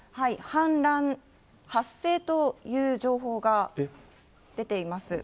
氾濫発生という情報が出ています。